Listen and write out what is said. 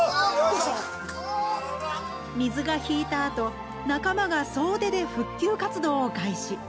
水が引いたあと仲間が総出で復旧活動を開始。